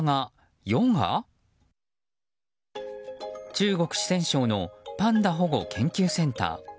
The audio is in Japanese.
中国・四川省のパンダ保護研究センター。